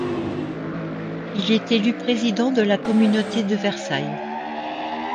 Il est élu président de la communauté de Versailles.